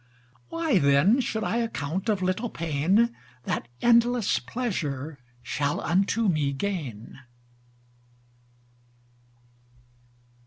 Why then should I account of little pain, That endless pleasure shall unto me gain.